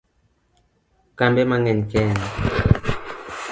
Kambe mang'eny Kenya